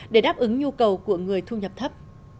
để đáp ứng nhu cầu của người thu nhập thấp